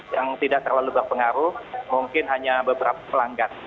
yang tidak terlalu berpengaruh mungkin hanya beberapa pelanggan